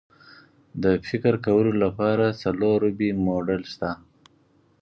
د فکر کولو لپاره څلور ربعي موډل شته.